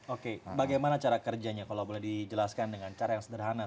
oke bagaimana cara kerjanya kalau boleh dijelaskan dengan cara yang sederhana